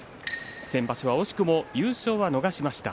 先場所は惜しくも優勝は逃しました。